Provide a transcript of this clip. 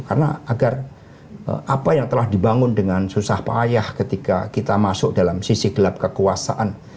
karena agar apa yang telah dibangun dengan susah payah ketika kita masuk dalam sisi gelap kekuasaan